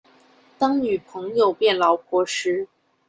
當女朋友變老婆時